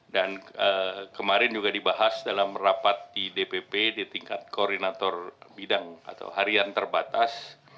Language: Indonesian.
kemarin juga dibahas dalam rapat di dpp di tingkat koordinator bidang atau harian terbatas